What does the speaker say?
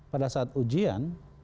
pada saat ujian